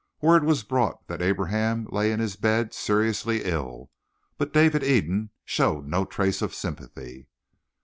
Word was brought that Abraham lay in his bed seriously ill, but David Eden showed no trace of sympathy.